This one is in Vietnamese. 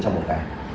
trong một ngày